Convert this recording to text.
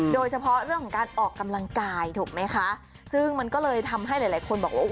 โดยเฉพาะเรื่องของการออกกำลังกายถูกไหมคะซึ่งมันก็เลยทำให้หลายหลายคนบอกว่า